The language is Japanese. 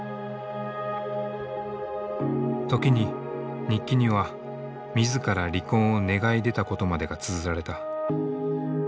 時に日記には自ら離婚を願い出たことまでがつづられた。